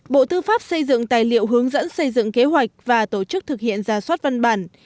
bộ tư pháp xây dựng tài liệu hướng dẫn xây dựng kế hoạch và tổ chức thực hiện ra soát văn bản